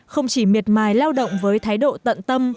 không chỉ miệt mài lao động với thái độ tận tâm